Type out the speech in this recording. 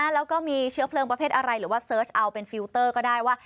แล้วก็มีเชื้อเพลิงประเภทอะไรหรือว่าเสิร์ชเอาเป็นฟิลเตอร์ก็ได้ว่า